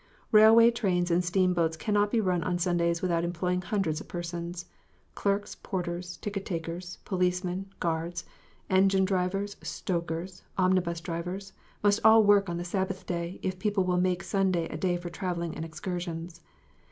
Railway trains and steamboats cannot be run on Sundays without employing hundreds of persons. Clerks, porters, ticket takers, policemen, guards, engine drivers, stokers, omnibus drivers, must all work on the Sabbath Day, if people will make Sunday a day for travelling and excursions.